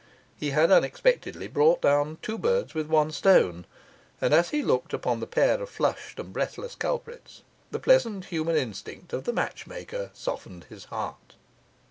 He had unexpectedly brought down two birds with one stone; and as he looked upon the pair of flushed and breathless culprits, the pleasant human instinct of the matchmaker softened his heart.